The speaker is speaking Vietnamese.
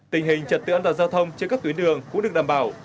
tình hình trật tự an toàn giao thông trên các tuyến đường cũng được đảm bảo